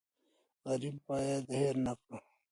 غریب باید هېر نکړو.